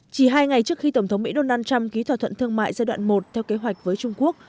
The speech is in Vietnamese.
chỉ hai ngày trước khi tổng thống mỹ donald trump ký thỏa thuận thương mại giai đoạn một theo kế hoạch với trung quốc